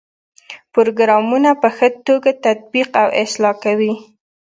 پروګرامونه په ښه توګه تطبیق او اصلاح کوي.